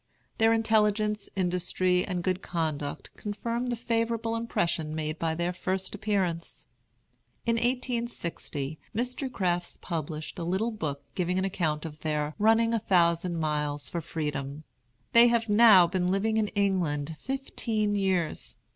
Their intelligence, industry, and good conduct confirmed the favorable impression made by their first appearance. In 1860, Mr. Crafts published a little book giving an account of their "Running a Thousand Miles for Freedom." They have now been living in England fifteen years.